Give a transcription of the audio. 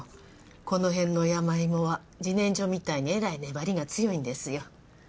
このへんの山芋はじねんじょみたいにえらい粘りが強いんですよ。